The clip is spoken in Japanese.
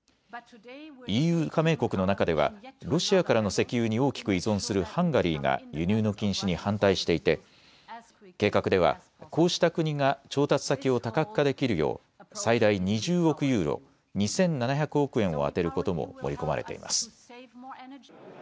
ＥＵ加盟国の中ではロシアからの石油に大きく依存するハンガリーが輸入の禁止に反対していて計画ではこうした国が調達先を多角化できるよう最大２０億ユーロ、２７００億円を充てることも盛り込まれています。